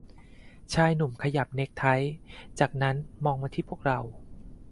ชายหนุ่มขยับเนคไท จากนั้นมองมาที่พวกเรา